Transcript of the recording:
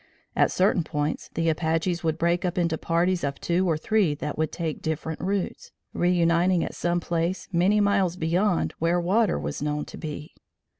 At certain points, the Apaches would break up into parties of two or three that would take different routes, reuniting at some place many miles beyond where water was known to be.